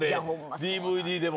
ＤＶＤでも。